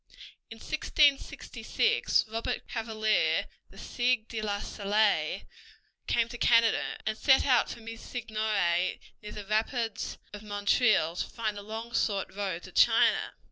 In 1666 Robert Cavalier, the Sieur de La Salle, came to Canada, and set out from his seigneurie near the rapids of Montreal to find the long sought road to China.